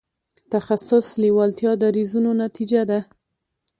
تخصص لېوالتیا دریځونو نتیجه ده.